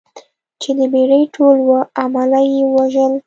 چې د بېړۍ ټول اووه عمله یې ووژل.